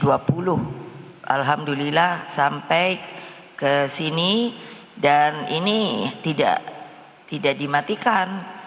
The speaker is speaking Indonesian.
alhamdulillah sampai kesini dan ini tidak dimatikan